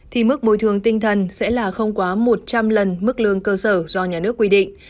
thì mức bồi thường tinh thần sẽ là không quá một trăm linh lần mức lương cơ sở do nhà nước quy định